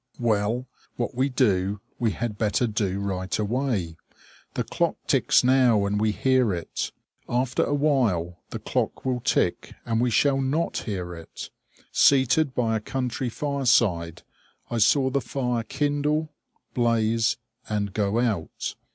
Well, what we do, we had better do right away. The clock ticks now and we hear it. After a while the clock will tick and we shall not hear it. Seated by a country fireside, I saw the fire kindle, blaze, and go out.